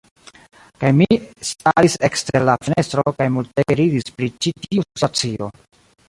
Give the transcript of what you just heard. Kaj mi, staris ekster la fenestro, kaj multege ridis pri ĉi tiu situacio.